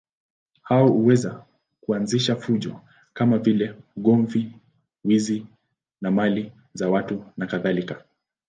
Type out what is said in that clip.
Hao huweza kuanzisha fujo kama vile ugomvi, wizi wa mali za watu nakadhalika.